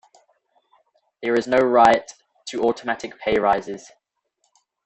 There is no right to automatic pay rises.